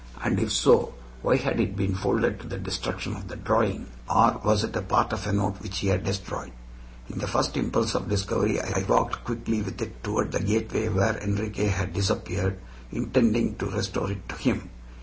And if so, why had it been folded to the destruction of the drawing? Or was it part of a note which he had destroyed? In the first impulse of discovery I walked quickly with it toward the gateway where Enriquez had disappeared, intending to restore it to him.